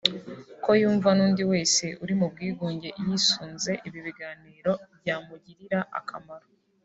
ko yumva n’undi wese uri mu bwigunge yisunze ibi biganiro byamugirira akamaro